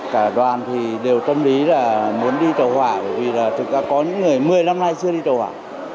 cả đoàn đều tâm lý là muốn đi tàu hỏa vì thực ra có những người một mươi năm nay chưa đi tàu hỏa